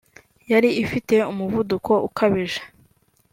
yari ifite umuvuduko ukabije